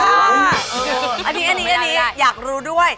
เออทีมงานอันนี้อยากรู้ด้วย